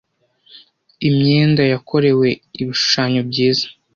imyenda yakorewe ibishushanyo byiza